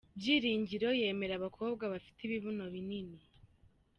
byiringiro yemera abakobwa bafite ibibuno binini